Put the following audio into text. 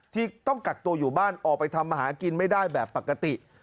ที่ต้องกักตัวอยู่บ้านออกไปทำมาหากินไม่ได้แบบปกติ